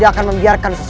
aku akan menangkap dia